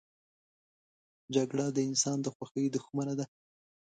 جګړه د انسان د خوښۍ دښمنه ده